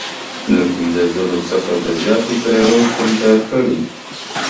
له پنځه زرو څخه د زیاتو سیارو شتون تایید کړی.